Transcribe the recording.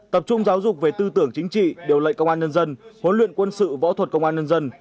tập trung giáo dục về tư tưởng chính trị điều lệnh công an nhân dân huấn luyện quân sự võ thuật công an nhân dân